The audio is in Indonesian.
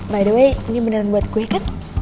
by the way ini beneran buat kue kan